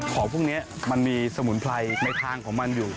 ของพวกนี้มันมีสมุนไพรในทางของมันอยู่